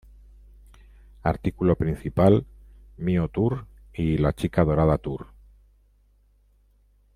Artículo principal: Mío Tour y La Chica Dorada Tour